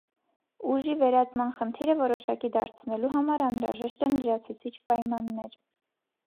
Ուժի վերածման խնդիրը որոշակի դարձնելու համար անհրաժեշտ են լրացուցիչ պայմաններ։